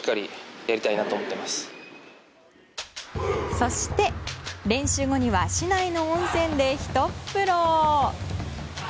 そして練習後には市内の温泉でひとっ風呂！